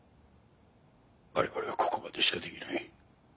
我々はここまでしかできない。